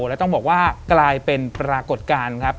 แล้วต้องบอกว่ากลายเป็นปรากฏการณ์ครับ